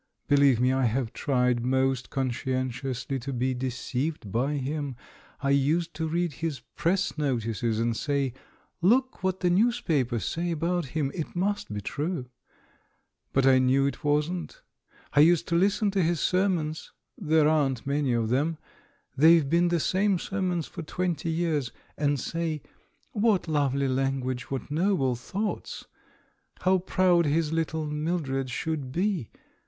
Believe me, I have tried most conscientiously to be de ceived by him. I used to read his Press notices and say, 'Look what the newspapers say about him — it must be true!' But I knew it wasn't. I used to listen to his sermons — there aren't many of them ; they've been the same sermons for twenty years — and say, 'What lovely language, what noble thoughts ! How proud his little Mil dred should be